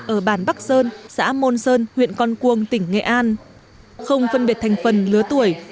ở bản bắc sơn xã môn sơn huyện con cuông tỉnh nghệ an không phân biệt thành phần lứa tuổi